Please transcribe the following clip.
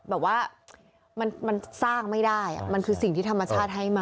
แบบว่ามันสร้างไม่ได้มันคือสิ่งที่ธรรมชาติให้มา